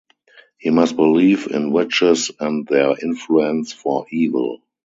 He must believe in witches and their influence for evil.